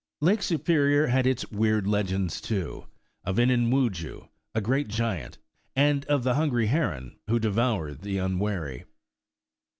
Lake Superior had its weird legends, too, of Inini Wudjoo, a great giant, and of the hungry heron who devoured the unwary.